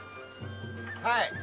はい。